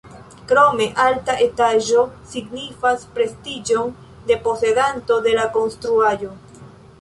Krome, alta etaĝo signifas prestiĝon de posedanto de la konstruaĵo.